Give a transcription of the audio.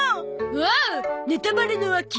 おおネタバレの秋！